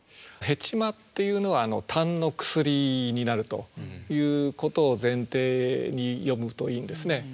糸瓜っていうのは痰の薬になるということを前提に読むといいんですね。